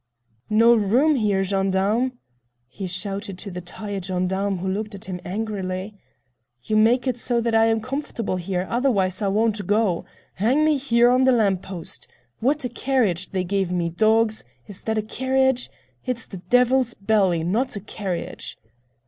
"No room here, gendarme!" he shouted to the tired gendarme who looked at him angrily. "You make it so that I am comfortable here, otherwise I won't go—hang me here on the lamp post. What a carriage they gave me, dogs! Is that a carriage? It's the devil's belly, not a carriage!"